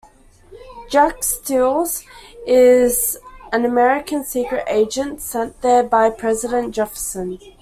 Jack Stiles is an American secret agent sent there by President Jefferson.